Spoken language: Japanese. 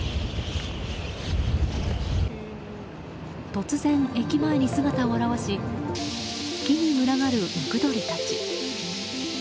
突然、駅前に姿を現し木に群がるムクドリたち。